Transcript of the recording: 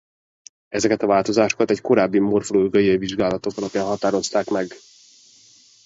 Ezeket a változtatásokat egy korábbi morfológiai vizsgálatok alapján hozták meg.